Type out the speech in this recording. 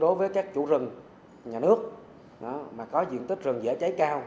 đối với các chủ rừng nhà nước mà có diện tích rừng dễ cháy cao